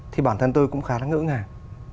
thì bản thân tôi cũng khá là ngỡ ngàng